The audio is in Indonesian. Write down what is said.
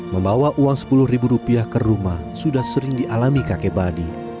membawa uang sepuluh ribu rupiah ke rumah sudah sering dialami kakek badi